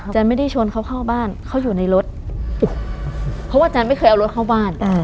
ไม่ได้ชวนเขาเข้าบ้านเขาอยู่ในรถเพราะว่าจันไม่เคยเอารถเข้าบ้าน